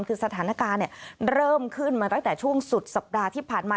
คือสถานการณ์เริ่มขึ้นมาตั้งแต่ช่วงสุดสัปดาห์ที่ผ่านมา